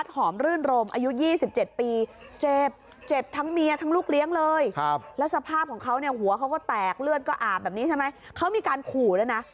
เจ็บเจ็บทั้งเมียทั้งลูกเลี้ยงเลยครับแล้วสภาพของเขาเนี่ยหัวเขาก็แตกเลือดก็อาบแบบนี้ใช่ไหมเขามีการขู่แล้วนะ